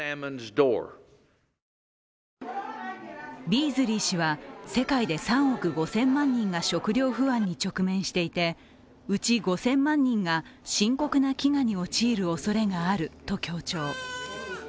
ビーズリー氏は世界で３億５０００万人が食糧不安に直面していて、うち５０００万人が深刻な飢餓に陥るおそれがあると強調。